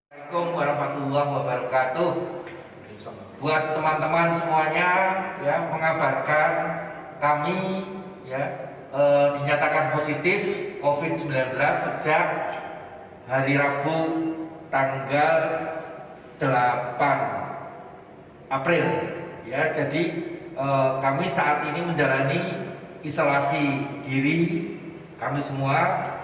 april ya jadi kami saat ini menjalani isolasi diri kami semua